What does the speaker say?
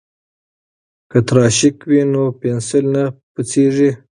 که تراشک وي نو پنسل نه پڅیږي.